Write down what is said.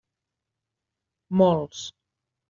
Molts.